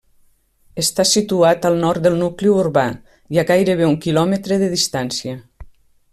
Està situat al nord del nucli urbà i a gairebé un kilòmetre de distància.